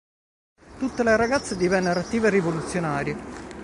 Tutte le ragazze divennero attive rivoluzionarie.